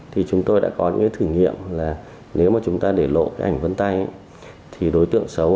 thì chúng tôi đã có những cái thử nghiệm là nếu mà chúng ta để lộ cái ảnh vân tay thì đối tượng xấu